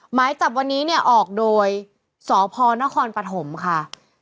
หมายจับวันนี้เนี่ยออกโดยสพนครปฐมค่ะ